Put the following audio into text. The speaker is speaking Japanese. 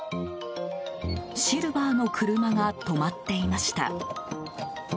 シルバーの車が止まっていました。